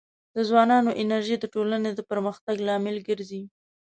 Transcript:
د ځوانانو انرژي د ټولنې د پرمختګ لامل ګرځي.